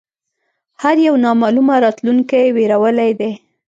هر یو نامعلومه راتلونکې وېرولی دی